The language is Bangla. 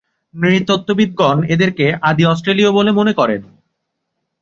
নৃতত্ত্ববিদগণ এদেরকে আদি অস্ট্রেলীয় বলে মনে করেন।